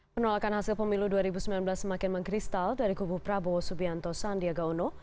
penolakan hasil pemilu dua ribu sembilan belas semakin mengkristal dari kubu prabowo subianto sandiaga uno